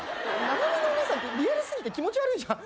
生身の女さんってリアル過ぎて気持ち悪いじゃん。